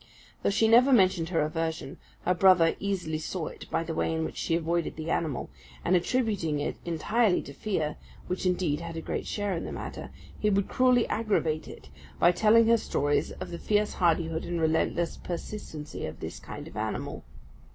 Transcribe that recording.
Though she never mentioned her aversion, her brother easily saw it by the way in which she avoided the animal; and attributing it entirely to fear which indeed had a great share in the matter he would cruelly aggravate it, by telling her stories of the fierce hardihood and relentless persistency of this kind of animal.